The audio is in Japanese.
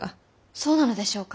そうなのでしょうか。